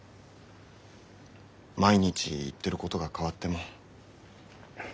毎日言ってることが変わっても。